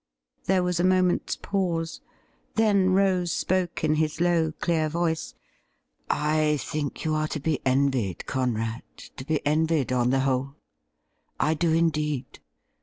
There was a moment's pause. Then Rose sp^e in his low, clear voice :' I think you are to be envied, Conrad — ^to be envied, on the whole. I do indeed.